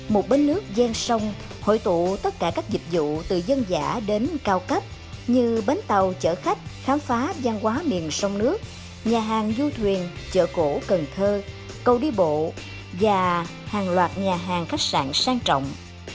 một bến nước gian sông hội tụ tất cả các dịch vụ từ dân giả đến cao cấp như bến tàu chở khách khám phá gian quá miền sông nước nhà hàng du thuyền chợ cổ cần thơ cầu đi bộ và hàng loạt nhà hàng khách sạn sang trọng